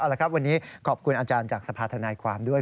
เอาละครับวันนี้ขอบคุณอาจารย์จากสภาธนายความด้วย